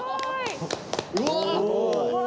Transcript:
うわ！